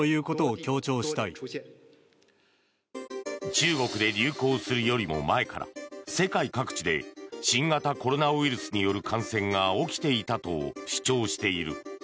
中国で流行するよりも前から世界各地で新型コロナウイルスによる感染が起きていたと主張している。